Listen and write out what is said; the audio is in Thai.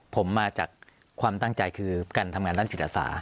ผมมาจากความตั้งใจคือการทำงานด้านจิตอาสา